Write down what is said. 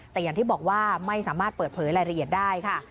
แต่อย่างที่บอกว่าไม่สามารถเปิดเผยรายละเอียดได้ค่ะ